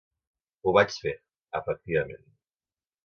Ho vaig fer, efectivament.